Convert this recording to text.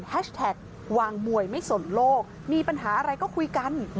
แท็กวางมวยไม่สนโลกมีปัญหาอะไรก็คุยกัน